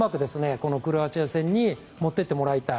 このクロアチア戦に持っていってもらいたい。